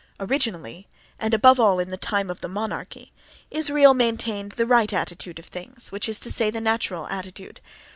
Originally, and above all in the time of the monarchy, Israel maintained the right attitude of things, which is to say, the natural attitude.